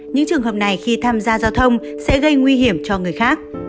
những trường hợp này khi tham gia giao thông sẽ gây nguy hiểm cho người khác